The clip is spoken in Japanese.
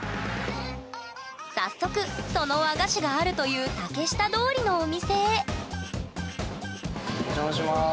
早速その和菓子があるという竹下通りのお店へお邪魔します。